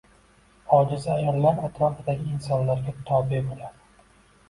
Ojiza ayollar atrofidagi insonlarga tobe boʻladi.